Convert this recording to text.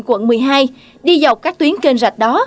quận một mươi hai đi dọc các tuyến kênh rạch đó